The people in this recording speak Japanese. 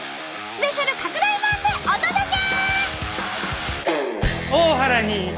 スペシャル拡大版でお届け！